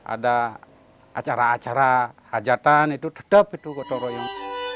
ada acara acara hajatan itu dedap itu gotong royong